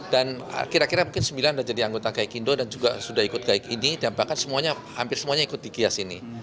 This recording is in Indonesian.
sebelas dan kira kira mungkin sembilan sudah jadi anggota gai kindo dan juga sudah ikut gai ini dan bahkan hampir semuanya ikut di kias ini